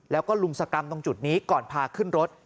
แล้วก็ลุมสกรรมตรงจุดนี้ก่อนพาขึ้นรถ